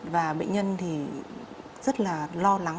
và bệnh nhân thì rất là lo lắng